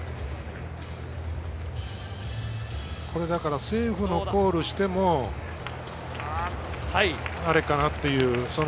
これ、だからセーフのコールをしてもあれかなっていう。